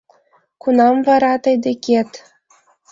Кунам вара тый декет